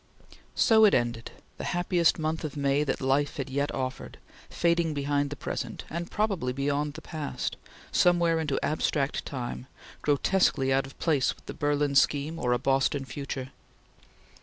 So it ended; the happiest month of May that life had yet offered, fading behind the present, and probably beyond the past, somewhere into abstract time, grotesquely out of place with the Berlin scheme or a Boston future.